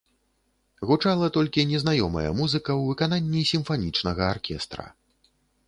Гучала толькі незнаёмая музыка ў выкананні сімфанічнага аркестра.